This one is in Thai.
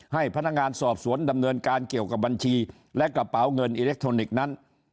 ให้พนักงานสอบสวนดำเนินการเกี่ยวกับบัญชีและกระเป๋าเงินอิเล็กทรอนิกส์นั้น